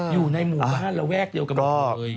อยู่ในหมู่บ้านระแวกเดียวกันหมดเลย